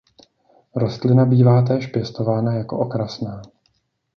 Rostlina bývá též pěstována jako okrasná.